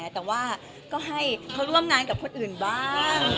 แต่ว่าก็ให้เขาร่วมงานกับคนอื่นบ้าง